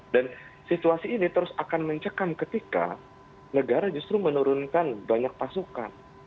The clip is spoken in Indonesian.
dan situasi ini terus akan mencekam ketika negara justru menurunkan banyak pasukan